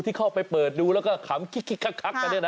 ที่เข้าไปเปิดดูแล้วก็ขำคิกคักกัน